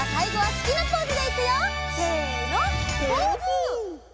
ポーズ！